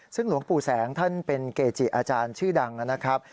ซึ่งหลวงปู่แสงท่านเป็นเกจิอาจารย์ชื่อดังนะครับ